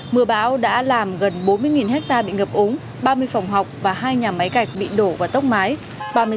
mưa bão đã làm gần bốn mươi hectare bị ngập úng ba mươi phòng học và hai nhà máy gạch bị đổ và tốc mái